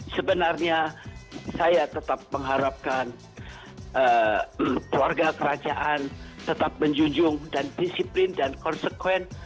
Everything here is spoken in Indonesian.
sebenarnya saya tetap mengharapkan keluarga kerajaan tetap menjunjung dan disiplin dan konsekuen